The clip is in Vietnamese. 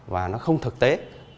và nó không thực tế